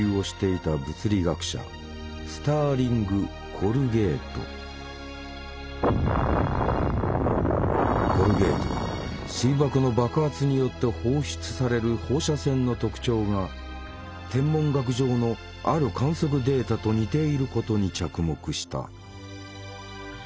コルゲートは水爆の爆発によって放出される放射線の特徴が天文学上のある観測データと似ていることに着目した。